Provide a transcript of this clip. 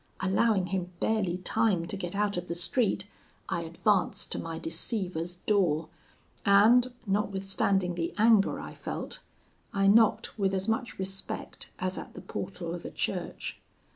Allowing him barely time to get out of the street, I advanced to my deceiver's door, and notwithstanding the anger I felt, I knocked with as much respect as at the portal of a church.